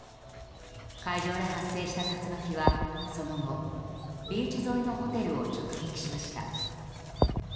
海上で発生した竜巻はその後ビーチ沿いのホテルを直撃しました。